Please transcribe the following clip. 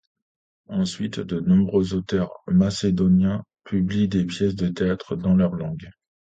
Ensuite, de nombreux auteurs macédoniens publient des pièces de théâtre dans leur langue.